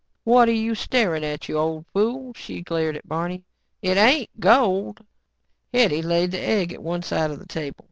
"What are you staring at, you old fool," she glared at Barney. "It ain't gold." Hetty laid the egg at one side of the table.